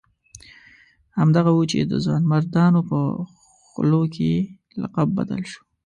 همدغه وو چې د ځوانمردانو په خولو کې یې لقب بدل شو.